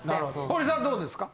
堀さんはどうですか？